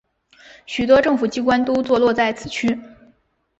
许多政府机关都座落在此区。